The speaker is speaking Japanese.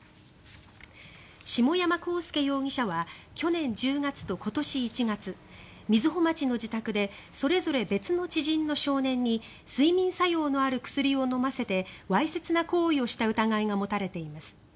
下山晃介容疑者は去年１０月と今年１月瑞穂町の自宅でそれぞれ別の知人の少年に睡眠作用のある薬を飲ませてわいせつな行為をした疑いが持たれています。